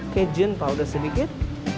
cajun powder sedikit